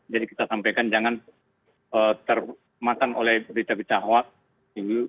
jadi kita sampaikan jangan termakan oleh berita berita hoax